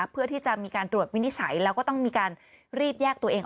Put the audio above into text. เพื่อที่จะมีการตรวจวินิจฉัยแล้วก็ต้องมีการรีบแยกตัวเอง